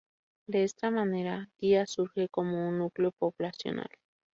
De esta manera, Guía surge como un núcleo poblacional.